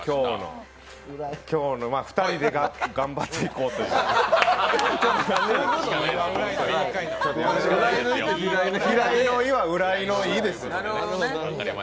今日の２人で頑張っていこうという平井の「井」は浦井の「井」です。